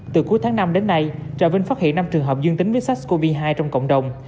từ cuối tháng năm đến nay trà vinh phát hiện năm trường hợp dương tính với sars cov hai trong cộng đồng